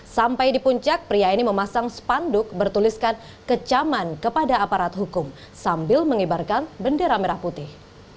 sampai di puncak pria ini memasang spanduk bertuliskan kecaman kepada aparat hukum sambil mengibarkan bendera merah putih